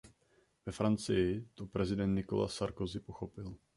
Ve Francii to prezident Nicholas Sarkozy pochopil.